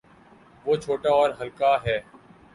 وہ چھوٹا اور ہلکا ہے۔